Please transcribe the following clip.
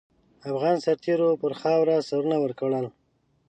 افغان سرتېرو پر خاوره سرونه ورکړل.